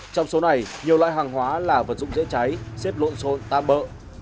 trong số này nhiều loại hàng hóa là vật dụng dễ cháy xếp lộn xôn tan bỡ